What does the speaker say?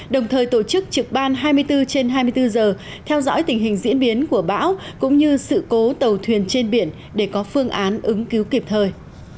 đồng thời tổ chức trực ban hai mươi bốn trên hai mươi bốn giờ theo dõi tình hình diễn biến của bão cũng như sự cố tàu thuyền trên biển để có phương án ứng cứu kịp thời